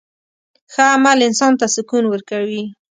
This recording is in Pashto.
ښه عمل انسان ته سکون ورکوي.